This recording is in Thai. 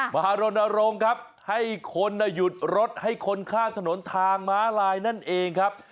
รณรงค์ครับให้คนหยุดรถให้คนข้ามถนนทางม้าลายนั่นเองครับ